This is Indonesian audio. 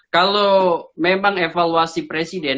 kalau memang evaluasi presiden